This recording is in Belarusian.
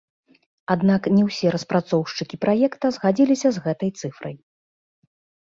Аднак не ўсе распрацоўшчыкі праекта згадзіліся з гэтай цыфрай.